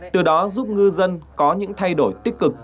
từ đó giúp ngư dân có những thay đổi tích cực